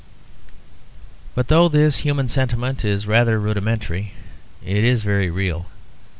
But though this human sentiment is rather rudimentary it is very real.